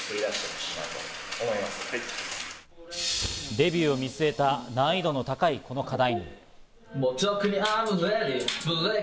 デビューを見据えた難易度の高いこの課題。